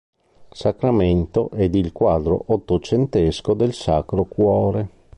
Sacramento ed il quadro ottocentesco del "Sacro Cuore".